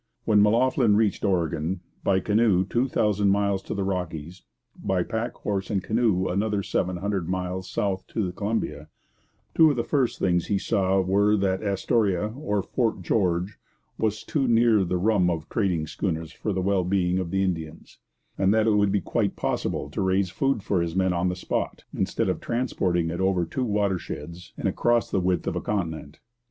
When M'Loughlin reached Oregon by canoe two thousand miles to the Rockies, by pack horse and canoe another seven hundred miles south to the Columbia two of the first things he saw were that Astoria, or Fort George, was too near the rum of trading schooners for the well being of the Indians, and that it would be quite possible to raise food for his men on the spot, instead of transporting it over two watersheds and across the width of a continent.